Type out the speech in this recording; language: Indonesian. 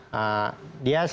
dia secara tidak langsung